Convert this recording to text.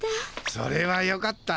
それはよかった。